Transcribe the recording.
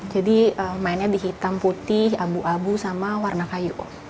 jadi mainnya di hitam putih abu abu sama warna kayu